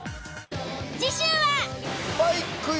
次週は。